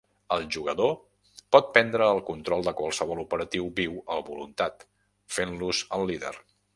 El jugador pot prendre el control de qualsevol operatiu viu a voluntat, fent-los el líder.